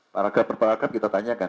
para grapher grapher kita tanyakan